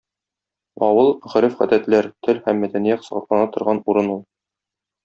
Авыл - гореф-гадәтләр, тел һәм мәдәният саклана торган урын ул.